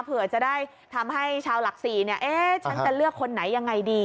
เผื่อจะได้ทำให้ชาวหลักศรีเนี่ยเอ๊ะฉันจะเลือกคนไหนยังไงดี